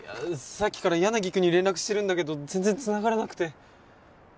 さっきから柳くんに連絡してるんだけど全然繋がらなくて。